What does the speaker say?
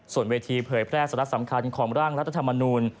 ส่วนเวทีเผยแพร่สาระสำคัญของร่างรัฐธรรมนูล